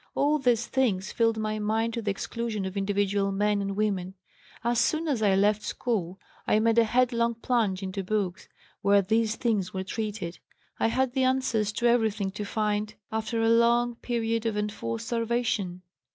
All these things filled my mind to the exclusion of individual men and women. As soon as I left school I made a headlong plunge into books where these things were treated; I had the answers to everything to find after a long period of enforced starvation.